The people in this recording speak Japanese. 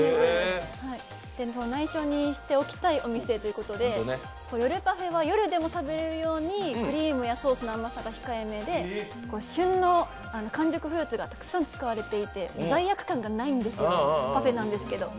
内緒にしておきたいお店ということで、夜パフェは夜でも食べられるようにクリームやソースの甘さが控えめで、旬の完熟フルーツがたくさん使われていて罪悪感がないんですよ、パフェなんですけど。